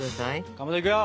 かまどいくよ！